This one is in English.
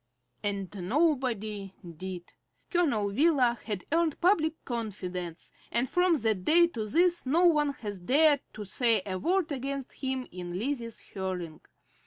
And nobody did. Colonel Wheeler had earned public confidence, and from that day to this no one has dared to say a word against him in Lizzie's hearing.